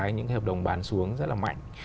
những hợp đồng bán xuống rất là mạnh